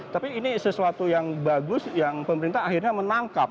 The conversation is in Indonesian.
tapi ini sesuatu yang bagus yang pemerintah akhirnya menangkap